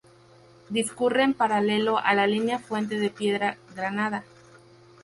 Discurre en paralelo a la línea Fuente de Piedra-Granada.